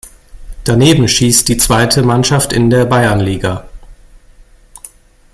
Daneben schießt die zweite Mannschaft in der Bayernliga.